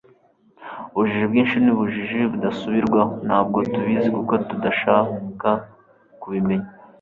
ubujiji bwinshi ni ubujiji budasubirwaho. ntabwo tubizi kuko tudashaka kubimenya